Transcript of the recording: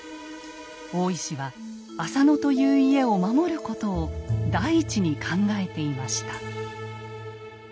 大石は浅野という家を守ることを第一に考えていました。